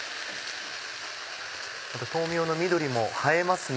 また豆苗の緑も映えますね。